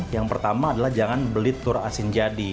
yang pertama adalah jangan beli telur asin jadi